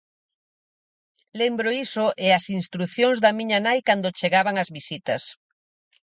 Lembro iso e as instrucións da miña nai cando chegaban as visitas: